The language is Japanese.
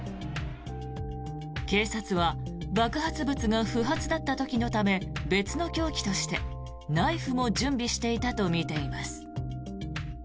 警察は爆発物が不発だった時のため別の凶器としてナイフも準備していたとみています。